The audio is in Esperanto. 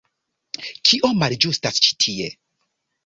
Kio malĝustas ĉi tie?